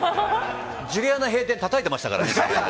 ジュリアナ閉店、たたいてましたからね。